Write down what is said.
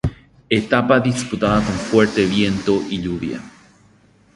Etapa disputada con fuerte viento y lluvia.